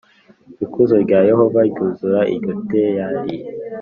ikuzo rya Yehova ryuzura iryo teyari